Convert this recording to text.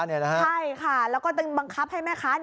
ใช่ค่ะแล้วก็ต้องบังคับให้แม่ค้า